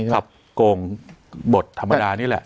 ครับโกงบทธรรมดานี่แหละ